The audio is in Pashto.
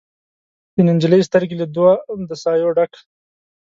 د نجلۍ سترګې لکه دوه د سايو ډک